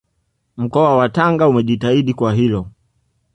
Mkoa wa Tanga umejitahidi kwa hilo